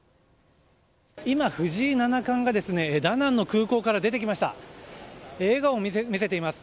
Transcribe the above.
今、藤井七冠がダナンの空港から出てきました。